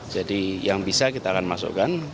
yang bisa kita akan masukkan